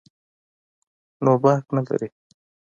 نو باک نه لري.